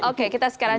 oke kita sekarang